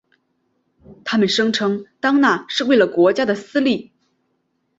他们声称当那是为了国家的私利。